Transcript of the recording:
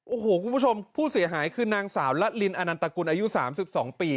โอ้โหคุณผู้ชมผู้เสียหายคือนางสาวละลินอนันตกุลอายุ๓๒ปี